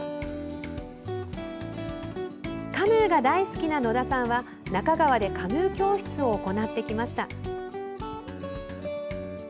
カヌーが大好きな野田さんは那珂川でカヌー教室を行ってきました。